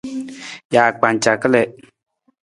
Jaakpanca kalii.